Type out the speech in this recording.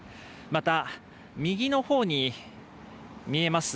また右のほうに見えます